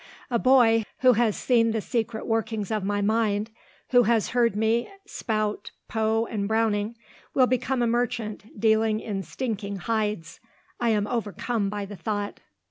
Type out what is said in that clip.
"A boy, who has seen the secret workings of my mind, who has heard me spout Poe and Browning, will become a merchant, dealing in stinking hides. I am overcome by the thought."